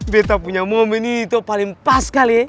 betta punya momen itu paling pas kali ya